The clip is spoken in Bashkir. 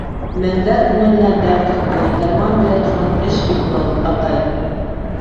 Меңдәр күңеленә дәрт өҫтәй, дарман бирә торған эш бит был, атай!